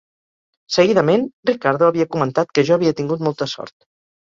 Seguidament, Ricardo havia comentat que jo havia tingut molta sort.